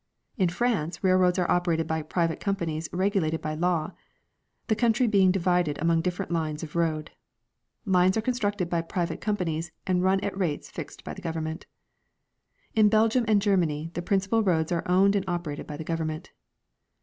In France railroads are operated by private companies regu lated by laAV, the country being divided among different lines of road. Lines are constructed by private companies and run at rates fixed by the government. In Belgium and Germany the principal roads are owned and operated by the government.